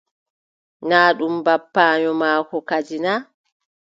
Naa ɗum bappaayo maako kadi na.